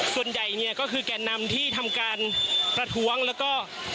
ส่วนใหญ่เนี่ยก็คือแก่นำที่ทำการประท้วงแล้วก็